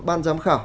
ban giám khảo